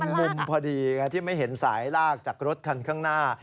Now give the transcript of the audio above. มุมพอดีไงที่ไม่เห็นสายลากจากรถคันข้างหน้า